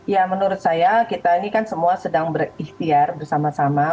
ya menurut saya kita ini kan semua sedang berikhtiar bersama sama